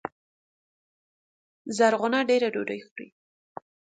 زرغونه دېره ډوډۍ خوري